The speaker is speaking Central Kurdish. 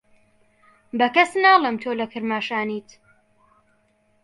بە کەس ناڵێم تۆ لە کرماشانیت.